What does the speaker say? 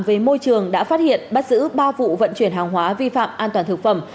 về môi trường đã phát hiện bắt giữ ba vụ vận chuyển hàng hóa vi phạm an toàn thực phẩm